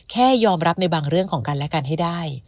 แค่ยอมรับในบางเรื่องของกันและกันให้ได้